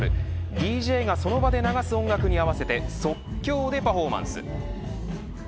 ＤＪがその場で流す音楽に合わせて即興でパフォーマンス。